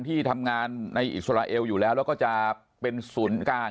ที่ทำงานในอิสราเอลอยู่แล้วแล้วก็จะเป็นศูนย์กลาง